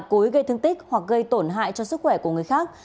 cối gây thương tích hoặc gây tổn hại cho sức khỏe của người khác